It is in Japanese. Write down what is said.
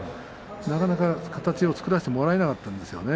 なかなか形を作らせてもらえなかったんですよ。